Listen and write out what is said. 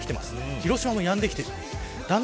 広島もやんできている。